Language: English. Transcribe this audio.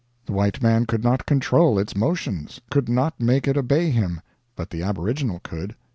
The white man could not control its motions, could not make it obey him; but the aboriginal could.